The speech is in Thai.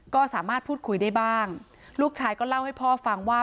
ก็สามารถพูดคุยได้บ้างลูกชายก็เล่าให้พ่อฟังว่า